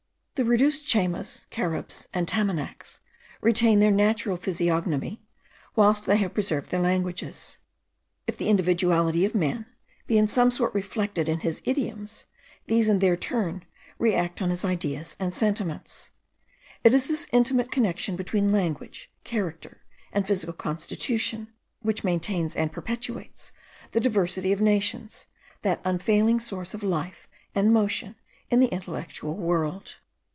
The reduced Chaymas, Caribs, and Tamanacs, retain their natural physiognomy, whilst they have preserved their languages. If the individuality of man be in some sort reflected in his idioms, these in their turn re act on his ideas and sentiments. It is this intimate connection between language, character, and physical constitution, which maintains and perpetuates the diversity of nations; that unfailing source of life and motion in the intellectual world.